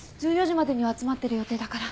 １４時までには集まってる予定だから。